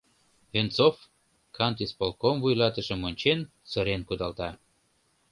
— Венцов, кантисполком вуйлатышым ончен, сырен кудалта.